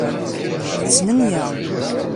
D ttmenya.